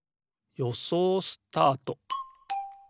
よそうスタート！